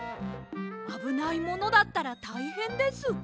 あぶないものだったらたいへんです。